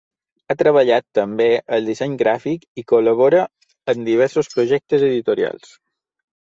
Ha treballat, també, el disseny gràfic i col·labora en diversos projectes editorials.